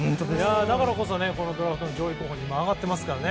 だからこそ、ドラフトの上位候補に挙がってますから。